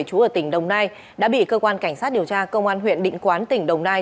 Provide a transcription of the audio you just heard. chú ở tỉnh đồng nai đã bị cơ quan cảnh sát điều tra công an huyện định quán tỉnh đồng nai